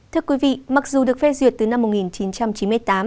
thưa quý vị mặc dù được phê duyệt từ năm một nghìn chín trăm chín mươi tám